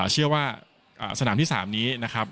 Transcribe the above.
เชื่อว่าสนามที่๓นี้นะครับ